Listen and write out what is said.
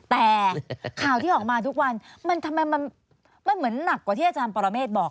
แต่ข่าวที่ออกมาทุกวันมันทำไมมันเหมือนหนักกว่าที่อาจารย์ปรเมฆบอก